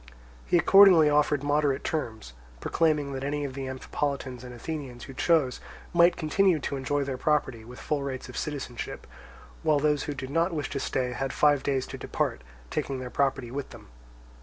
He accordingly offered moderate terms, proclaiming that any of the Amphipolitans and Athenians who chose, might continue to enjoy their property with full rights of citizenship; while those who did not wish to stay had five days to depart, taking their property with them.